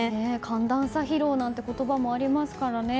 寒暖差疲労なんて言葉もありますからね。